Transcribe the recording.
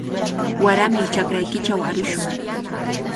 Warami chakraykichaw arushun.